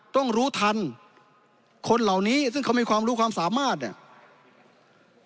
ต้องรู้ทันคนเหล่านี้ซึ่งเขามีความรู้ความสามารถเนี่ย